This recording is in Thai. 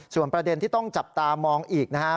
ส่วนประเด็นที่ต้องจับตามองอีกนะครับ